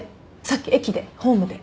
さっき駅でホームで。